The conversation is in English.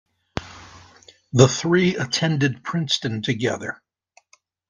The three attended Princeton together.